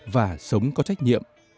và sống có trách nhiệm